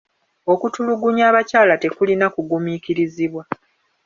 Okutulugunya abakyala tekulina kugumiikirizibwa.